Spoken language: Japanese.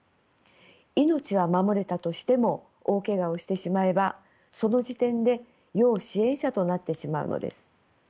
命は守れたとしても大けがをしてしまえばその時点で要支援者となってしまうのです。